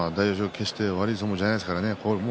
決して悪い相撲じゃないですからね。